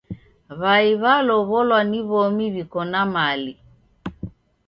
W'ai w'alow'olwa ni w'omi w'iko na mali.